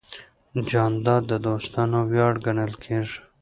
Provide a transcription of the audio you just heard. جانداد د دوستانو ویاړ ګڼل کېږي.